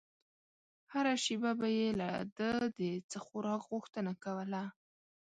هره شېبه به يې له ده د څه خوراک غوښتنه کوله.